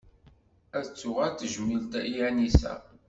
Ad tuɣal tejmilt i Anisa.